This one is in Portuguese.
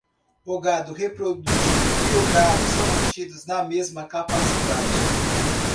O gado reprodutivo e o gado são mantidos na mesma capacidade.